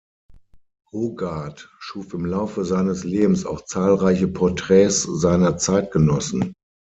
Hogarth schuf im Laufe seines Lebens auch zahlreiche Porträts seiner Zeitgenossen.